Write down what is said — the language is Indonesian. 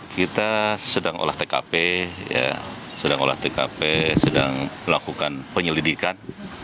kita sedang olah tkp sedang melakukan penyelidikan